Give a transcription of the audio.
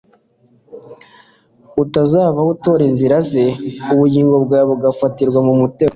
utazavaho utora inzira ze ubugingo bwawe bugafatirwa mu mutego